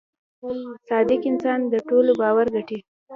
• صادق انسان د ټولو باور ګټي.